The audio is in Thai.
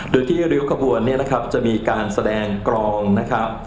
โดยที่ริ้วขบวนเนี่ยนะครับจะมีการแสดงกรองนะครับ